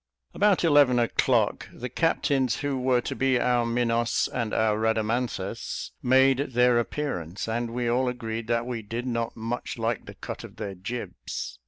About eleven o'clock, the captains who were to be our Minos and our Rhadamanthus, made their appearance, and we all agreed that we did not much like the "cut of their jibs."